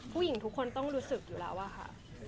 ผู้หญิงทุกคนต้องรู้สึกอยู่แล้วอะค่ะ